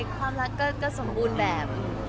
ความรักก็สมบูรณ์แบบ